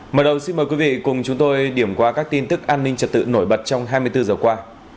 mở đầu xin mời quý vị cùng chúng tôi điểm qua các tin tức an ninh trật tự nổi bật trong hai mươi bốn giờ qua